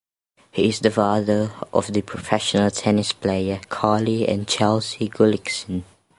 He is the father of the professional tennis players Carly and Chelsey Gullickson.